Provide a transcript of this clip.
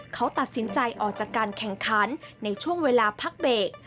เขาตัดสินใจออกจากการแข่งขันในช่วงเวลาพักเบรก